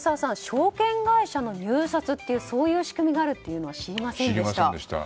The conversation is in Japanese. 証券会社の入札っていうそういう仕組みがあるのは知りませんでした。